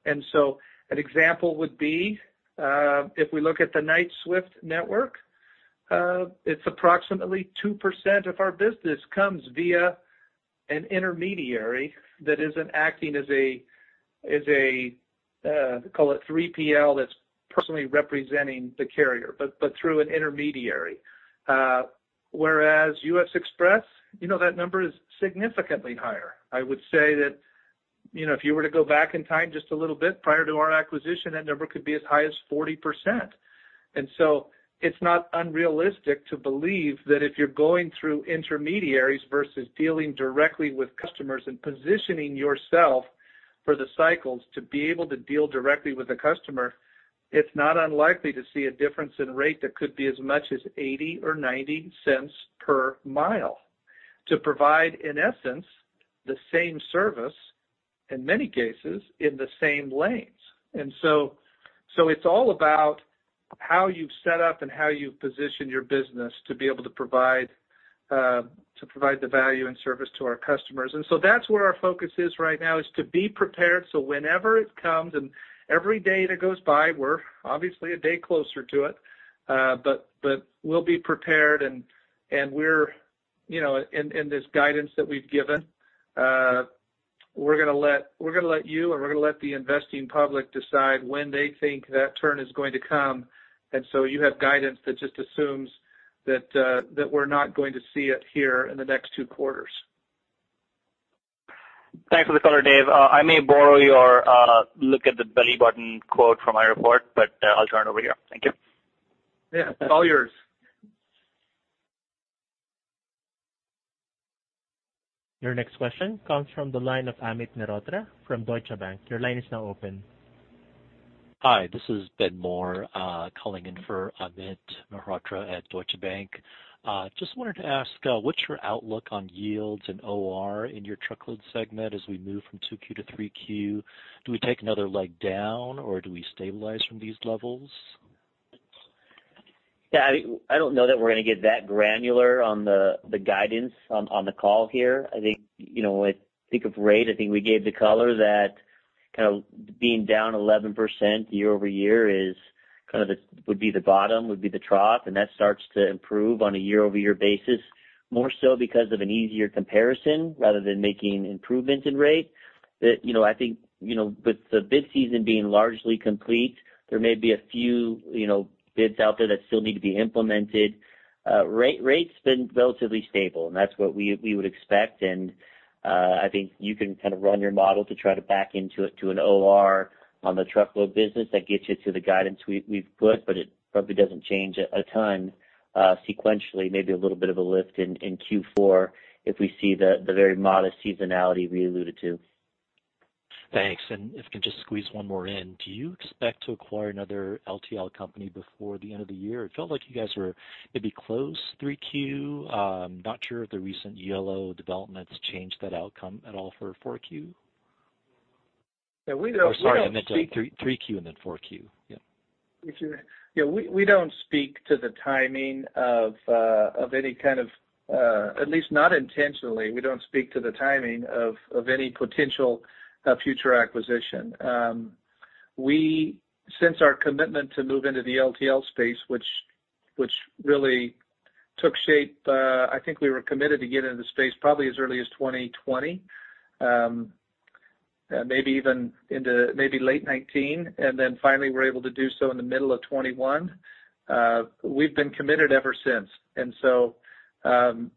example would be, if we look at the Knight-Swift network, it's approximately 2% of our business comes via an intermediary that isn't acting as a 3PL, that's personally representing the carrier, but through an intermediary. Whereas U.S. Xpress, you know, that number is significantly higher. I would say that, you know, if you were to go back in time, just a little bit prior to our acquisition, that number could be as high as 40%. It's not unrealistic to believe that if you're going through intermediaries versus dealing directly with customers and positioning yourself for the cycles to be able to deal directly with the customer, it's not unlikely to see a difference in rate that could be as much as $0.80 or $0.90 per mile to provide, in essence, the same service, in many cases, in the same lanes. So it's all about how you've set up and how you've positioned your business to be able to provide, to provide the value and service to our customers. That's where our focus is right now, is to be prepared, so whenever it comes, and every day that goes by, we're obviously a day closer to it. But we'll be prepared, and we're, you know, in this guidance that we've given, we're going to let you, and we're going to let the investing public decide when they think that turn is going to come. You have guidance that just assumes that we're not going to see it here in the next two quarters. Thanks for the color, Dave. I may borrow your look at the belly button quote from my report, but I'll turn it over to you. Thank you. Yeah, it's all yours. Your next question comes from the line of Amit Mehrotra from Deutsche Bank. Your line is now open. Hi, this is Ben Moore, calling in for Amit Mehrotra at Deutsche Bank. Just wanted to ask, what's your outlook on yields and OR in your truckload segment as we move from 2Q to 3Q? Do we take another leg down, or do we stabilize from these levels? I don't know that we're going to get that granular on the guidance on the call here. I think, you know, when I think of rate, I think we gave the color that kind of being down 11% year-over-year would be the bottom, would be the trough. That starts to improve on a year-over-year basis, more so because of an easier comparison rather than making improvements in rate. You know, I think, you know, with the bid season being largely complete, there may be a few, you know, bids out there that still need to be implemented. Rate's been relatively stable, and that's what we would expect. I think you can kind of run your model to try to back into it to an OR on the truckload business that gets you to the guidance we've put, but it probably doesn't change it a ton. Sequentially, maybe a little bit of a lift in Q4 if we see the very modest seasonality we alluded to. Thanks. If I can just squeeze one more in, do you expect to acquire another LTL company before the end of the year? It felt like you guys were maybe close 3Q. Not sure if the recent Yellow developments changed that outcome at all for 4Q. Yeah, we. Oh, sorry, I meant 3Q and then 4Q. Yeah. Yeah, we don't speak to the timing of any kind of, at least not intentionally, we don't speak to the timing of any potential future acquisition. We, since our commitment to move into the LTL space, which really took shape, I think we were committed to get into the space probably as early as 2020, maybe even into late 2019, and then finally we're able to do so in the middle of 2021. We've been committed ever since.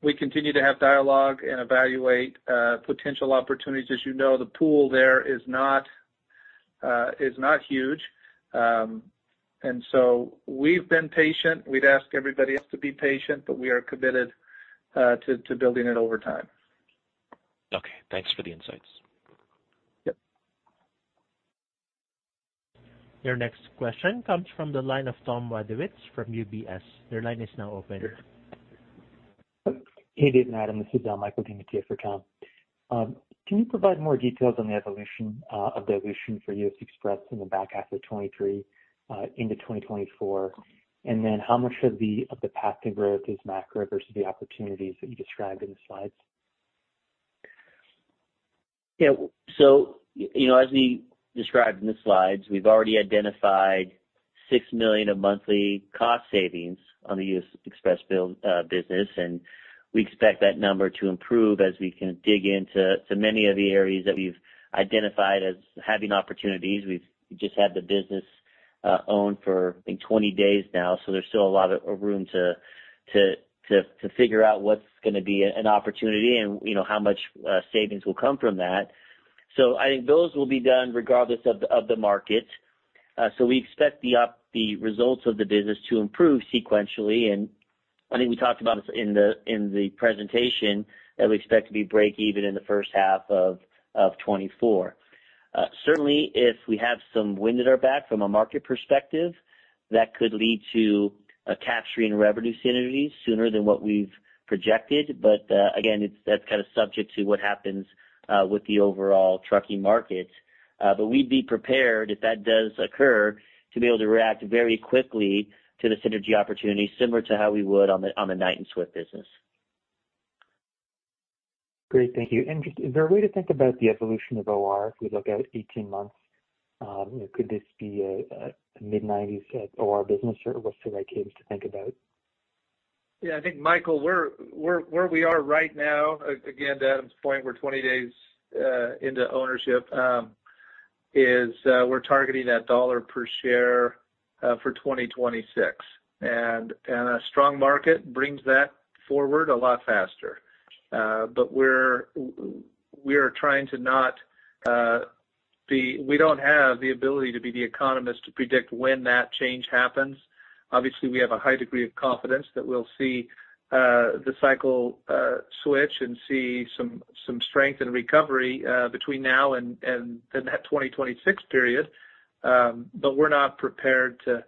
We continue to have dialogue and evaluate potential opportunities. As you know, the pool there is not, is not huge. We've been patient. We'd ask everybody else to be patient, but we are committed to building it over time. Okay, thanks for the insights. Yep. Your next question comes from the line of Tom Wadewitz from UBS. Your line is now open. Hey, Dave and Adam, this is Michael Triano for Tom. Can you provide more details on the evolution of the evolution for U.S. Xpress in the back half of 2023 into 2024? How much of the path to growth is macro versus the opportunities that you described in the slides? You know, as we described in the slides, we've already identified $6 million of monthly cost savings on the U.S. Xpress business, and we expect that number to improve as we can dig into many of the areas that we've identified as having opportunities. We've just had the business owned for, I think, 20 days now, there's still a lot of room to figure out what's going to be an opportunity and, you know, how much savings will come from that. I think those will be done regardless of the market. We expect the results of the business to improve sequentially, and I think we talked about this in the presentation, that we expect to be breakeven in the first half of 2024. Certainly, if we have some wind at our back from a market perspective, that could lead to a capturing revenue synergies sooner than what we've projected. Again, that's kind of subject to what happens with the overall trucking market. We'd be prepared, if that does occur, to be able to react very quickly to the synergy opportunity, similar to how we would on the Knight and Swift business. Great. Thank you. Just, is there a way to think about the evolution of OR if we look out 18 months? Could this be a mid-90s at OR business, or what's the right ways to think about? Yeah, I think, Michael, where we are right now, again, to Adam's point, we're 20 days into ownership, is we're targeting that dollar per share for 2026. A strong market brings that forward a lot faster. We are trying to not we don't have the ability to be the economist to predict when that change happens. Obviously, we have a high degree of confidence that we'll see the cycle switch and see some strength and recovery between now and that 2026 period. We're not prepared to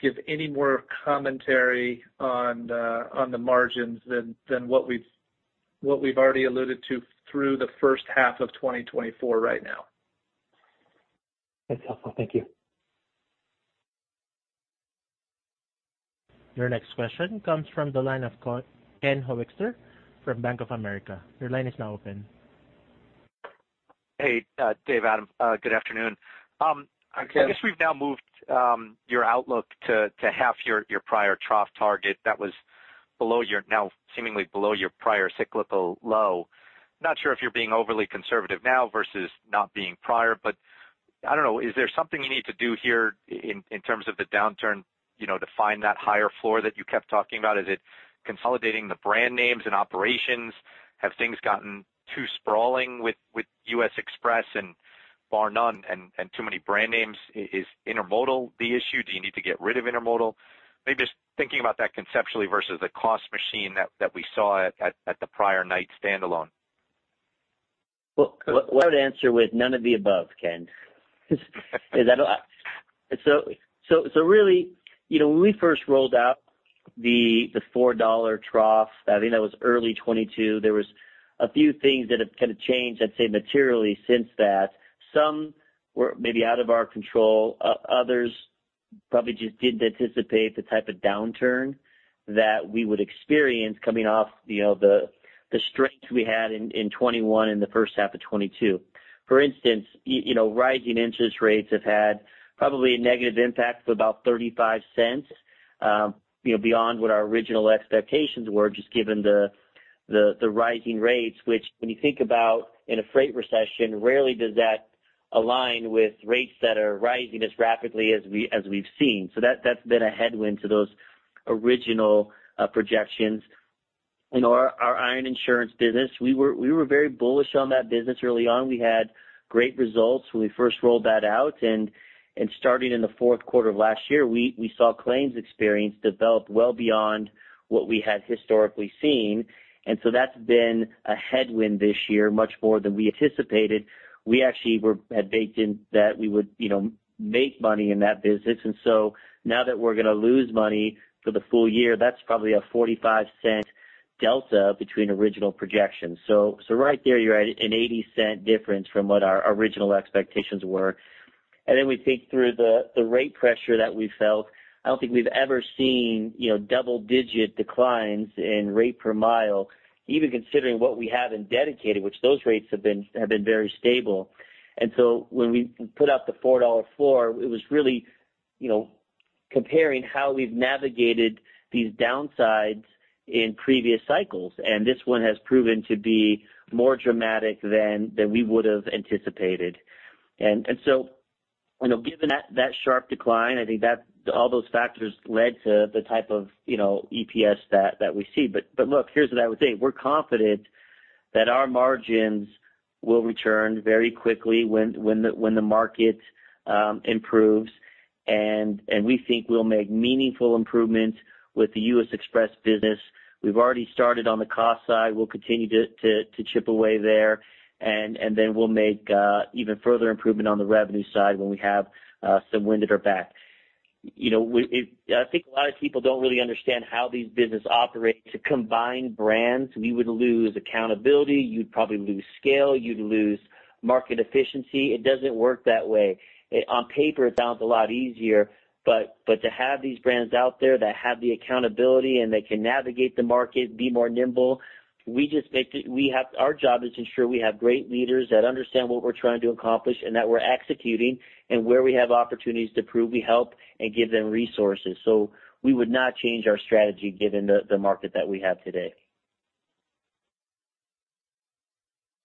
give any more commentary on the margins than what we've already alluded to through the first half of 2024 right now. That's helpful. Thank you. Your next question comes from the line of Ken Hoexter from Bank of America. Your line is now open. Hey, Dave, Adam, good afternoon. I guess we've now moved your outlook to half your prior trough target that was below your, now seemingly below your prior cyclical low. Not sure if you're being overly conservative now versus not being prior, but I don't know, is there something you need to do here in terms of the downturn, you know, to find that higher floor that you kept talking about? Is it consolidating the brand names and operations? Have things gotten too sprawling with U.S. Xpress and Barr-Nunn, and too many brand names? Is intermodal the issue? Do you need to get rid of intermodal? Maybe just thinking about that conceptually versus the cost machine that we saw at the prior Knight standalone. Well, I would answer with none of the above, Ken. Really, you know, when we first rolled out the $4 trough, I think that was early 2022, there was a few things that have kind of changed, I'd say, materially since that. Some were maybe out of our control, others probably just didn't anticipate the type of downturn that we would experience coming off, you know, the strength we had in 2021 and the first half of 2022. For instance, you know, rising interest rates have had probably a negative impact of about $0.35, you know, beyond what our original expectations were, just given the rising rates, which when you think about in a freight recession, rarely does that align with rates that are rising as rapidly as we, as we've seen. That's been a headwind to those original projections. You know, our Iron Insurance business, we were very bullish on that business early on. We had great results when we first rolled that out, starting in the fourth quarter of last year, we saw claims experience develop well beyond what we had historically seen. That's been a headwind this year, much more than we anticipated. We actually had baked in that we would, you know, make money in that business. Now that we're going to lose money for the full year, that's probably a $0.45 delta between original projections. Right there, you're at an $0.80 difference from what our original expectations were. Then we think through the rate pressure that we felt. I don't think we've ever seen, you know, double-digit declines in rate per mile, even considering what we have in dedicated, which those rates have been very stable. When we put out the $4 floor, it was really, you know, comparing how we've navigated these downsides in previous cycles, and this one has proven to be more dramatic than we would have anticipated. So, you know, given that sharp decline, I think that all those factors led to the type of, you know, EPS that we see. look, here's what I would say: We're confident that our margins will return very quickly when the market improves. We think we'll make meaningful improvements with the U.S. Xpress business. We've already started on the cost side. We'll continue to chip away there, then we'll make even further improvement on the revenue side when we have some wind at our back. You know, we, I think a lot of people don't really understand how these business operate. To combine brands, we would lose accountability, you'd probably lose scale, you'd lose market efficiency. It doesn't work that way. On paper, it sounds a lot easier, but to have these brands out there that have the accountability and they can navigate the market, be more nimble. Our job is to ensure we have great leaders that understand what we're trying to accomplish and that we're executing, and where we have opportunities to prove we help and give them resources. We would not change our strategy given the market that we have today.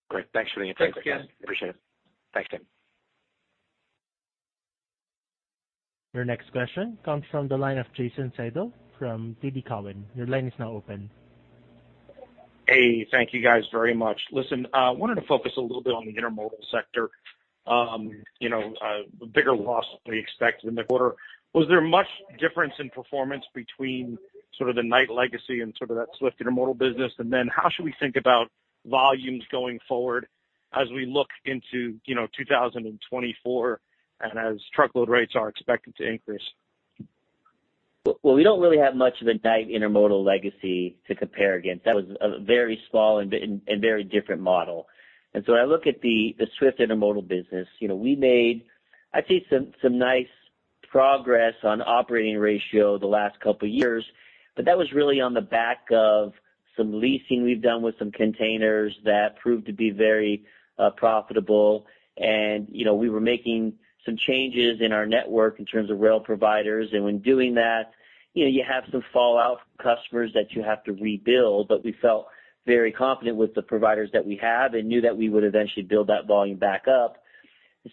Great. Thanks for the update. Thanks, Ken. Appreciate it. Thanks, Ken. Your next question comes from the line of Jason Seidl from TD Cowen. Your line is now open. Hey, thank you guys very much. Listen, I wanted to focus a little bit on the intermodal sector. You know, a bigger loss than we expected in the quarter. Was there much difference in performance between sort of the Knight legacy and sort of that Swift intermodal business? How should we think about volumes going forward as we look into, you know, 2024, and as truckload rates are expected to increase? We don't really have much of a Knight intermodal legacy to compare against. That was a very small and very different model. I look at the Swift Intermodal business. You know, we made, I'd say, some nice progress on operating ratio the last couple years, but that was really on the back of some leasing we've done with some containers that proved to be very profitable. You know, we were making some changes in our network in terms of rail providers, and when doing that, you know, you have some fallout from customers that you have to rebuild, but we felt very confident with the providers that we have and knew that we would eventually build that volume back up.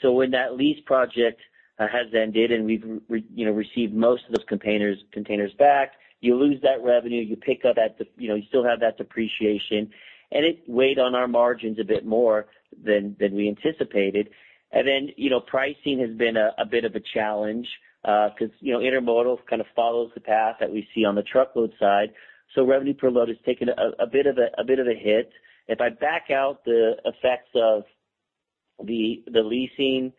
When that lease project has ended and we've you know, received most of those containers back, you lose that revenue, you pick up. You know, you still have that depreciation, and it weighed on our margins a bit more than we anticipated. You know, pricing has been a bit of a challenge because, you know, intermodal kind of follows the path that we see on the truckload side. Revenue per load has taken a bit of a hit. If I back out the effects the leasing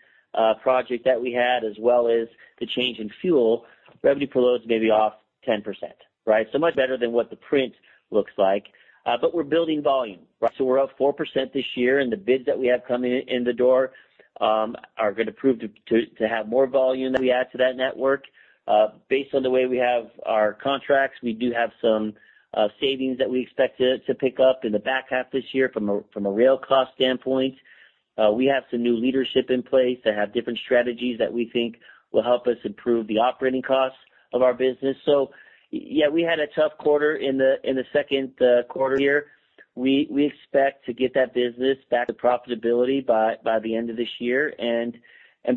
project that we had as well as the change in fuel, revenue per loads may be off 10%, right? Much better than what the print looks like. We're building volume, right? We're up 4% this year, and the bids that we have coming in the door, are going to prove to have more volume that we add to that network. Based on the way we have our contracts, we do have some savings that we expect to pick up in the back half this year from a rail cost standpoint. We have some new leadership in place that have different strategies that we think will help us improve the operating costs of our business. Yeah, we had a tough quarter in the second quarter here. We expect to get that business back to profitability by the end of this year and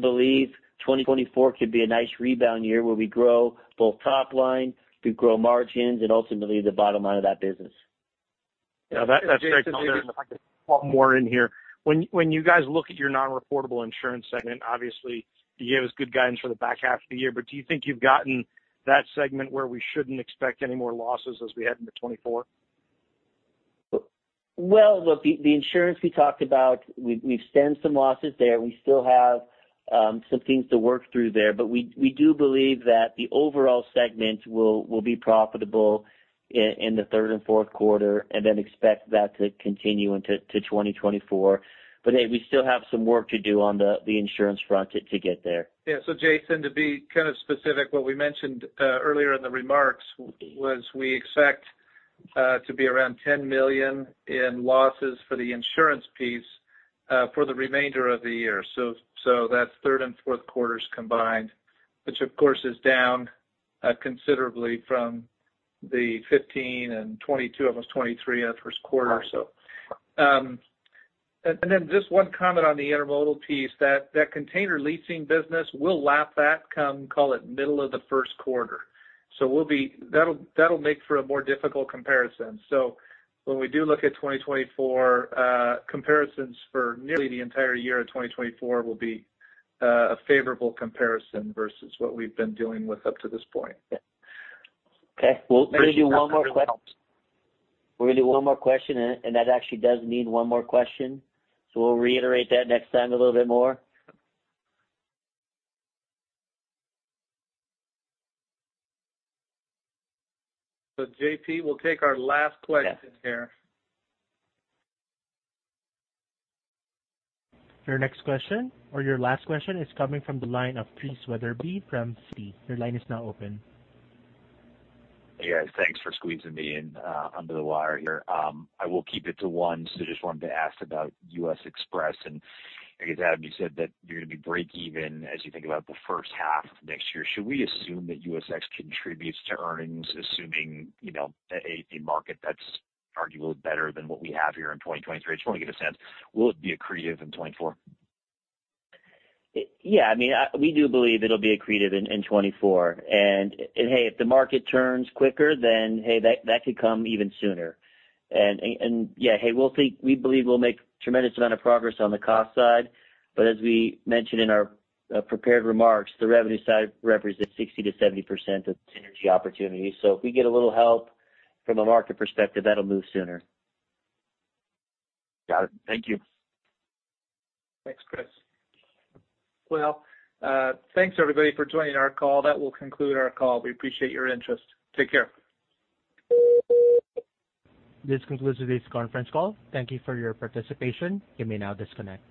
believe 2024 could be a nice rebound year where we grow both top line, we grow margins and ultimately the bottom line of that business. Yeah, that's great. If I could pop more in here. When you guys look at your non-reportable insurance segment, obviously, you gave us good guidance for the back half of the year. Do you think you've gotten that segment where we shouldn't expect any more losses as we head into 2024? Well, look, the insurance we talked about, we've seen some losses there. We still have some things to work through there. We do believe that the overall segment will be profitable in the third and fourth quarter. Expect that to continue into 2024. Hey, we still have some work to do on the insurance front to get there. Yeah. Jason, to be kind of specific, what we mentioned earlier in the remarks was we expect to be around $10 million in losses for the insurance piece for the remainder of the year. That's third and fourth quarters combined, which of course, is down considerably from the $15 million and $22 million, almost $23 million in the first quarter. And then just one comment on the intermodal piece, that container leasing business, we'll lap that come, call it, middle of the first quarter. We'll be. That'll make for a more difficult comparison. When we do look at 2024, comparisons for nearly the entire year of 2024 will be a favorable comparison versus what we've been dealing with up to this point. Okay, we'll do one more question. We're gonna do one more question, and that actually does need one more question, so we'll reiterate that next time a little bit more. JP, we'll take our last question here. Your next question or your last question is coming from the line of Chris Wetherbee from Citi. Your line is now open. Hey, guys, thanks for squeezing me in, under the wire here. I will keep it to one. Just wanted to ask about U.S. Xpress, and I guess, Adam, you said that you're going to be breakeven as you think about the first half of next year. Should we assume that USX contributes to earnings, assuming, you know, a market that's arguably better than what we have here in 2023? I just want to get a sense, will it be accretive in 2024? Yeah, I mean, we do believe it'll be accretive in 2024. If the market turns quicker, then, hey, that could come even sooner. Yeah, hey, we believe we'll make tremendous amount of progress on the cost side. As we mentioned in our prepared remarks, the revenue side represents 60%-70% of synergy opportunities. If we get a little help from a market perspective, that'll move sooner. Got it. Thank you. Thanks, Chris. Well, thanks everybody for joining our call. That will conclude our call. We appreciate your interest. Take care. This concludes today's conference call. Thank you for your participation. You may now disconnect.